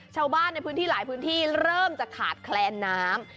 ชาวบ้านในพื้นที่หลายพื้นที่เริ่มจะขาดแคลนน้ำ